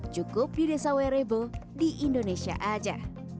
cukup di desa werebo di indonesia aja